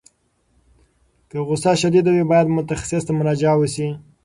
که غوسه شدید وي، باید متخصص ته مراجعه وشي.